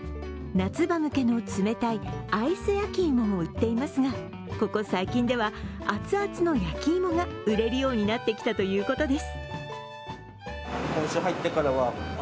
夏場向けの冷たいアイスやきいもも売っていますが、ここ最近では、熱々の焼き芋が売れるようになってきたということです。